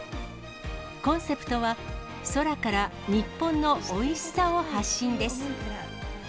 コンセプトは、空から日本のおいしさを発信です。